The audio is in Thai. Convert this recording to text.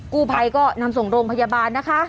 กู้ภัยก็นำส่งโรงพยาบาลนะคะ